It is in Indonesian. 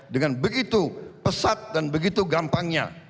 dengan begitu pesat dan begitu gampangnya